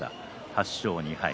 ８勝２敗。